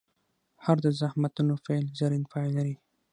هر د زخمتونو پیل؛ زرین پای لري.